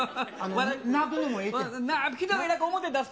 泣くのもええって。